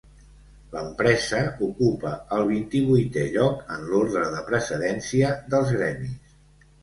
L'empresa ocupa el vint-i-vuitè lloc en l'ordre de precedència dels gremis.